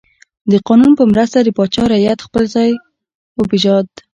د قانون په مرسته د پاچا رعیت خپل ځای وپیژند.